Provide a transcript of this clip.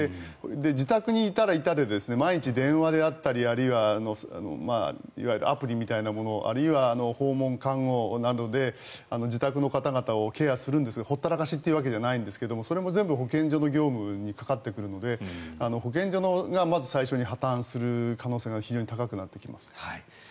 自宅にいたらいたで毎日電話であったりあるいはいわゆるアプリみたいなものあるいは訪問看護などで自宅の方々をケアするんですが放ったらかしではないんですがそれも全部保健所の業務にかかってくるので保健所がまず最初に破たんする可能性が非常に高くなってきます。